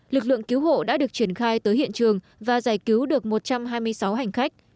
lực lượng cứu hộ đã được triển khai tới hiện trường và giải cứu được một trăm hai mươi sáu hành khách